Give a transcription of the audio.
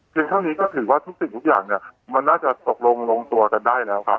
เท่านี้ก็ถือว่าทุกสิ่งทุกอย่างเนี่ยมันน่าจะตกลงลงตัวกันได้แล้วครับ